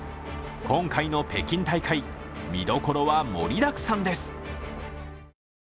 今回の北京大会、見どころは盛りだくさんです。